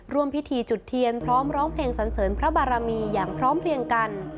ร่วมพิธีจุดเทียนพร้อมร้องเพลงสันเสริญพระบารมีอย่างพร้อมเพลียงกัน